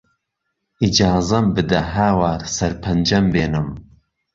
ئیجازەم بده هاوار سەر پەنجەم بێنم